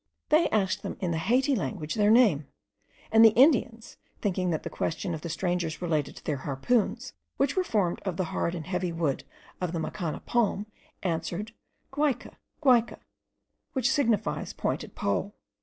They asked them in the Haiti language their name; and the Indians, thinking that the question of the strangers related to their harpoons, which were formed of the hard and heavy wood of the Macana palm, answered guaike, guaike, which signifies pointed pole.